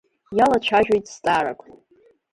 Иалацәажәоит зҵаарак.